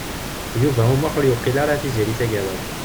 Yuba U Muḥ ur yewqil ara Tiziri Tagawawt.